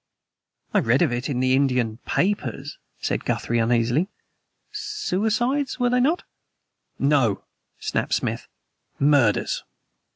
"I read of it in the Indian papers," said Guthrie uneasily. "Suicides, were they not?" "No!" snapped Smith. "Murders!"